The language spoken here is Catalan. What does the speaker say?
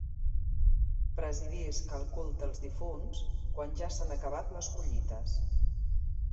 Presidisc el culte als difunts, quan ja s’han acabat les collites.